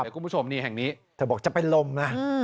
คุณผู้ชมแห่งนี้เธอบอกจะไปลมนะ